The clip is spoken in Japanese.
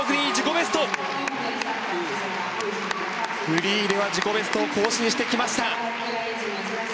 フリーでは自己ベストを更新してきました。